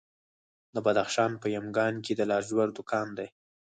د بدخشان په یمګان کې د لاجوردو کان دی.